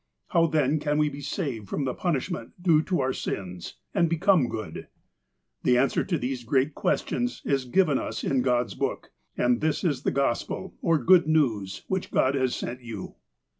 '' How then can we be saved from the punishment due to oiu' sius, and become good ?" The answer to these great questions is given us in God's Book, and this is the Gospel, or good news, which God has sent you.